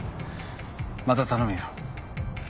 また頼むよ。